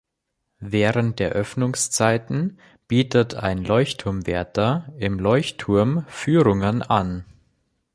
Während der Öffnungszeiten bietet ein Leuchtturmwärter im Leuchtturm Führungen an.